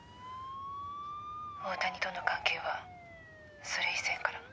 「大谷との関係はそれ以前から」